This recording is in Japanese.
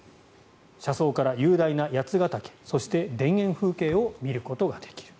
車窓から雄大な八ケ岳そして、田園風景を見ることができる。